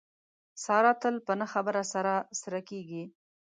ساره تل په نه خبره سره سره کېږي.